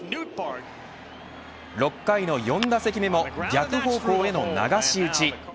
６回の４打席目も逆方向への流し打ち。